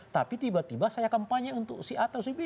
tapi tiba tiba saya kampanye untuk si a atau si b